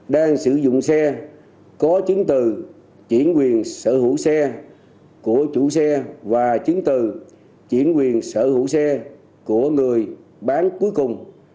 đang sử dụng xe có chứng từ chuyển quyền sở hữu xe của chủ xe và chứng từ chuyển quyền sở hữu xe của người bán cuối cùng